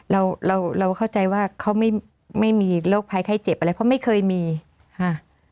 เราเราเข้าใจว่าเขาไม่ไม่มีโรคภัยไข้เจ็บอะไรเพราะไม่เคยมีค่ะ